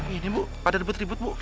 iya bu pada ribet ribut bu